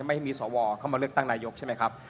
ให้มีสวเข้ามาเลือกตั้งนายกใช่ไหมครับ